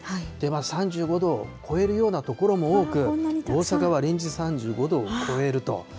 ３５度を超えるような所も多く、大阪は連日３５度を超えると。